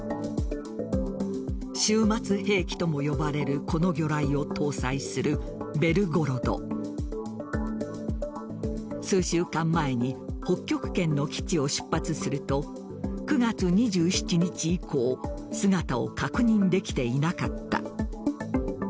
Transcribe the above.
終末兵器とも呼ばれるこの魚雷を搭載する「ベルゴロド」数週間前に北極圏の基地を出発すると９月２７日以降姿を確認できていなかった。